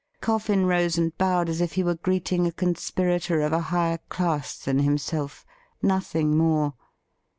Coffin rose and bowed as if he were greeting a conspirator of a higher class than himself — nothing more.